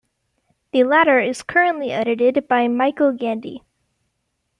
The latter is currently edited by Michael Gandy.